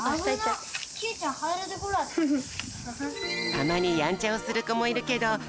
たまにやんちゃをするこもいるけどおやだよ